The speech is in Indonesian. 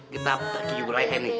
kita bagi juga lehen nih